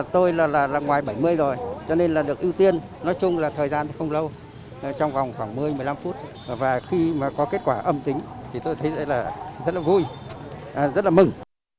tôi là ngoài bảy mươi rồi cho nên là được ưu tiên nói chung là thời gian thì không lâu trong vòng khoảng một mươi một mươi năm phút và khi mà có kết quả âm tính thì tôi thấy là rất là vui rất là mừng